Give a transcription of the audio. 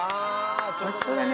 おいしそうだね。